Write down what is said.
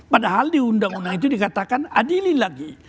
padahal di undang undang itu dikatakan adilin lagi